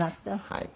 はい。